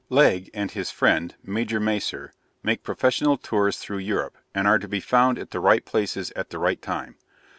Legg and his friend, Major Macer, make professional tours through Europe, and are to be found at the right places at the right time.